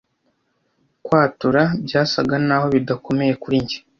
kwatura byasaga naho bidakomeye kuri njye